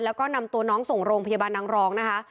แล้วก็นำตัวน้องส่งโรงพยาบาลนางรองนะคะ